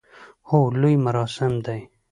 هو، لوی مراسم دی